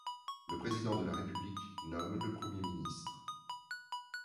Le Président de la République nomme le Premier ministre.